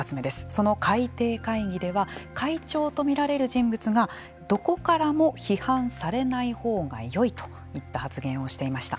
その改訂会議では会長とみられる人物がどこからも批判されないほうがよいといった発言をしていました。